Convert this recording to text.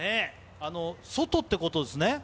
外っていうことですね？